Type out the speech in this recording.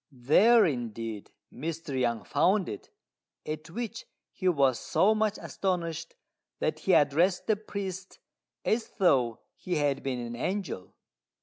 There indeed Mr. Yang found it, at which he was so much astonished that he addressed the priest as though he had been an angel.